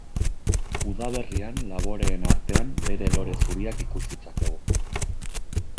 Udaberrian laboreen artean bere lore zuriak ikus ditzakegu.